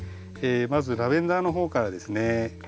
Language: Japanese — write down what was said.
まずラベンダーの方からですね。